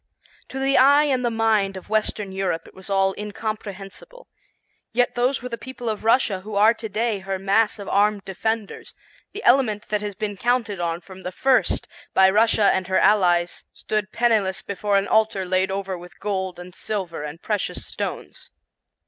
To the eye and the mind of western Europe it was all incomprehensible. Yet those were the people of Russia who are to day her mass of armed defenders; the element that has been counted on from the first by Russia and her allies stood penniless before an altar laid over with gold and silver and precious stones.